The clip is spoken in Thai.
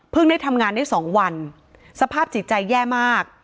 เพิ่งได้ทำงานได้สองวันสภาพจิตใจแย่มาก